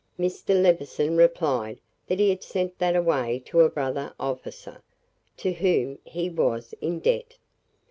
Mr. Levison replied that he had sent that away to a brother officer, to whom he was in debt.